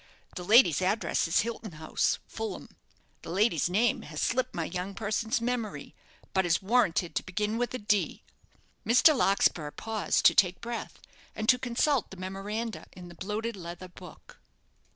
The lady's address is Hilton House, Fulham. The lady's name has slipped my young person's memory, but is warranted to begin with a D." Mr. Larkspur paused to take breath, and to consult the memoranda in the bloated leather book.